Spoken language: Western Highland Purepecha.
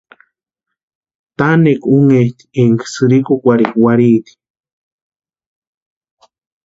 Tanhekwa únheti énka sïrikukwarhikʼa warhiiti.